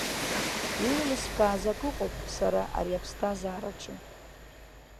Иеилыскааз акы ыҟоуп сара ари аԥсҭазаараҿы.